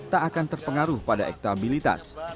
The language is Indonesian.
tak akan terpengaruh pada elektabilitas